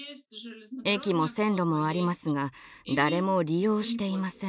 駅も線路もありますが誰も利用していません。